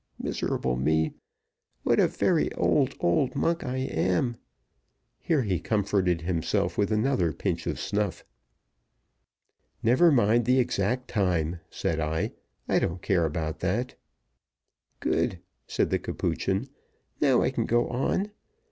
miserable me, what a very old, old monk I am!" Here he comforted himself with another pinch of snuff. "Never mind the exact time," said I. "I don't care about that." "Good," said the Capuchin. "Now I can go on.